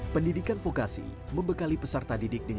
pendidikan vokasi membekali peserta didik dengan kesehatan